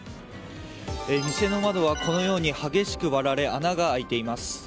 店の窓は激しく割られ穴が開いています。